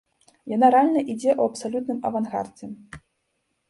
Яна рэальна ідзе ў абсалютным авангардзе.